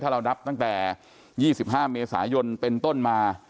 เรานับตั้งแต่๒๕เมษายนเป็นต้นมา